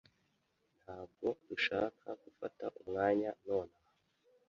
Ntabwo dushaka gufata umwanya nonaha.